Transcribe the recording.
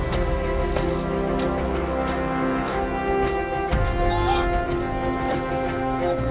teng revealor dan sebuah titer teh audonetice singer